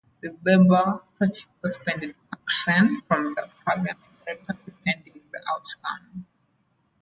The Labour Party suspended MacShane from the parliamentary party pending the outcome.